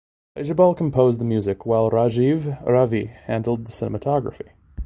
Bijibal composed the music while Rajeev Ravi handled the cinematography.